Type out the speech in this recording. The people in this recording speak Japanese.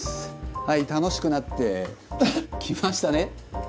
はい楽しくなってきましたね。